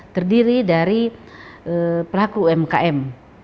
terdiri dari pelaku umkm